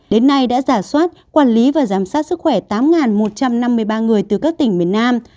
đến nay đã giả soát quản lý và giám sát sức khỏe tám một trăm năm mươi ba người từ các tỉnh miền nam